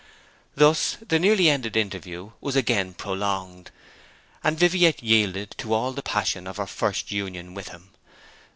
Thus the nearly ended interview was again prolonged, and Viviette yielded to all the passion of her first union with him.